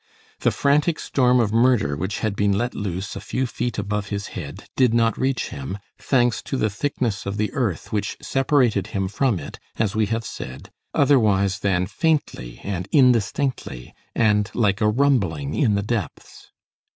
The frantic storm of murder which had been let loose a few feet above his head did not reach him, thanks to the thickness of the earth which separated him from it, as we have said, otherwise than faintly and indistinctly, and like a rumbling, in the depths.